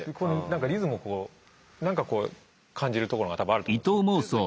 なんかリズムをこうなんかこう感じるところが多分あると思うんですね。